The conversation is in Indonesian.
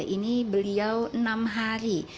ini beliau enam hari